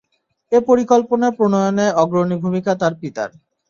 এ পরিকল্পনা প্রণয়নে অগ্রণী ভূমিকা তার পিতার।